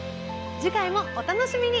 次回もお楽しみに。